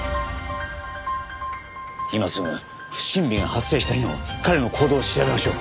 今すぐ不審火が発生した日の彼の行動を調べましょう。